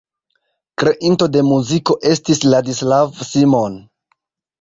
Kreinto de muziko estis Ladislav Simon.